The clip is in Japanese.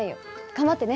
頑張ってね。